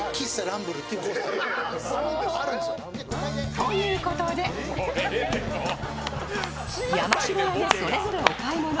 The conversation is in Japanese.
ということでヤマシロヤでそれぞれお買い物。